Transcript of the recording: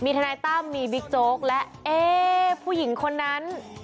ทนายตั้มมีบิ๊กโจ๊กและเอ๊ผู้หญิงคนนั้น